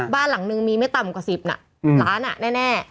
บ้านหลังนึงมีไม่ต่ำกว่า๑๐ล้านแน่